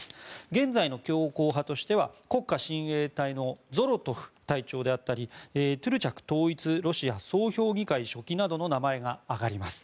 現在の強硬派としては国家親衛隊のゾロトフ隊長であったりトゥルチャク統一ロシア総評議会書記などの名前が挙がります。